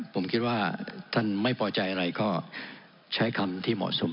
ผมคิดว่าท่านไม่พอใจอะไรก็ใช้คำที่เหมาะสม